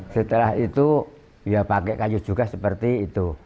setelah itu ya pakai kayu juga seperti itu